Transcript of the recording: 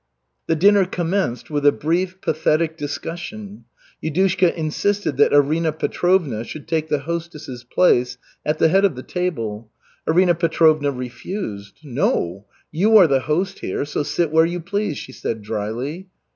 The dinner commenced with a brief, pathetic discussion. Yudushka insisted that Arina Petrovna should take the hostess's place at the head of the table. Arina Petrovna refused. "No, you are the host here, so sit where you please," she said drily.